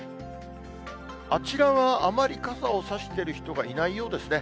あちらは、あまり傘を差している人がいないようですね。